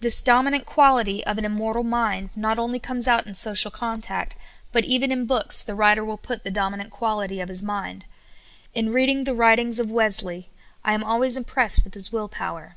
This dominant quality of an immortal mind not only comes out in social contact, but even in books the writer will put the dominant quality of his mind. In reading the writings of Wesle}^ I am always impressed with his will power.